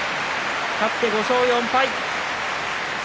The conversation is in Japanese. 勝って５勝４敗。